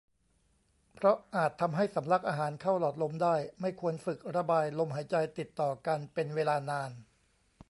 เพราะอาจทำให้สำลักอาหารเข้าหลอดลมได้ ไม่ควรฝึกระบายลมหายใจติดต่อกันเป็นเวลานาน